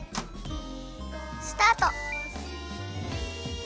スタート！